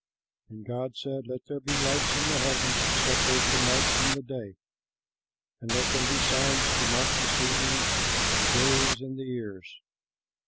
And God said, "Let there be lights in the heavens to separate the night from the day. Let them be signs to mark the seasons, the days, and the years.